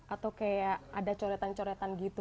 atau kayak ada coretan coretan gitu